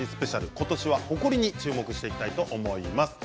今年は、ほこりに注目していきたいと思います。